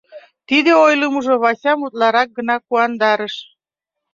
Тиде ойлымыжо Васям утларак гына куандарыш.